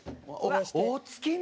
お月見？